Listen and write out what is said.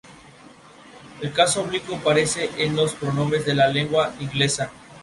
El caso oblicuo aparece en los pronombres de la lengua inglesa.